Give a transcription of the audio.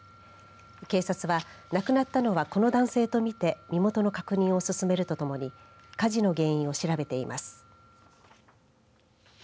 警察は亡くなったのはこの男性と見て身元の確認を進めるとともに火事の原因を調べています。